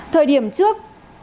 thời điểm trước